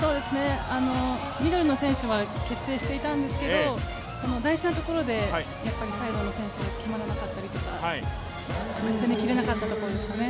ミドルの選手は決定していたんですけれども、大事なところでサイドの選手が決まらなかったりとか攻め切れなかったところですかね。